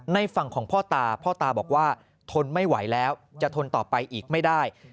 ฝั่งของพ่อตาพ่อตาบอกว่าทนไม่ไหวแล้วจะทนต่อไปอีกไม่ได้